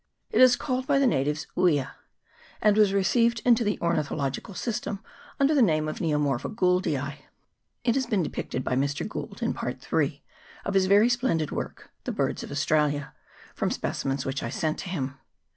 It is called by the natives Uia, and was received into the ornithological system under the name of Neomorpha Gouldii. It 90 THE UIA. [PART i. has been depicted by Mr. Gould, in Part III. of his very splendid work, ' The Birds of Australia,' from specimens which I sent to him.